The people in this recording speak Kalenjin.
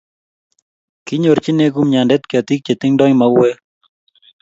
kinyorchine kumyande ketik che tingdoi mauek